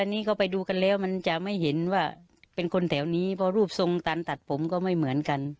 อันนี้ก็ไปดูกันแล้วมันจะไม่เห็นว่าเป็นคนแถวนี้พอรูปทรงตันตัดผมก็ไม่เหมือนกัน